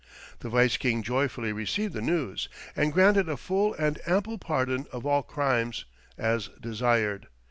"The Vice king joyfully received the news, and granted a full and ample pardon of all crimes, as desired.